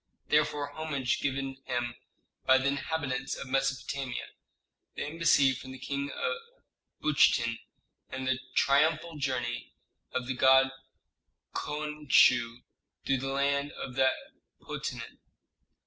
therefore homage given him by the inhabitants of Mesopotamia, the embassy from the King of Buchten, and the triumphal journey of the god Khonsu through the land of that potentate.